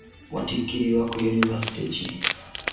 Watikkirirwa ku Yunivasite ki ?